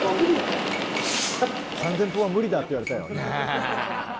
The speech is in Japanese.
３０００歩は無理だって言われたよ。